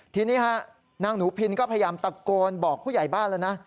ทีนี้ฮะนางหนูพินก็พยายามตะโกนบอกผู้ใหญ่บ้านแล้วนะ